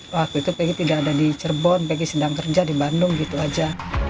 waktu itu pegg tidak ada di cirebon pg sedang kerja di bandung gitu aja